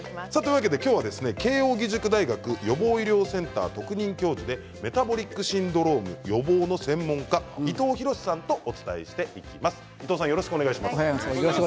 今日は慶應義塾大学予防医療センター特任教授でメタボリックシンドローム予防の専門家伊藤裕さんとお伝えします。